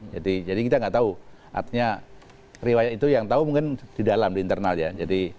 jadi kita tidak tahu artinya riwayat itu yang tahu mungkin di dalam di internal ya